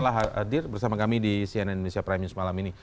telah hadir bersama kami di cnn indonesia prime news malam ini